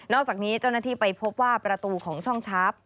อกจากนี้เจ้าหน้าที่ไปพบว่าประตูของช่องชาร์ฟ